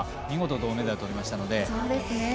見事、銅メダルとりましたので。